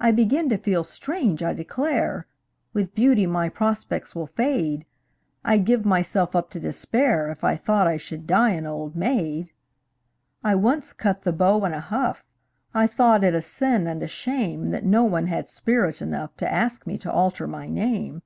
I begin to feel strange, I declare! With beauty my prospects will fade I'd give myself up to despair If I thought I should die an old maid! I once cut the beaux in a huff I thought it a sin and a shame That no one had spirit enough To ask me to alter my name.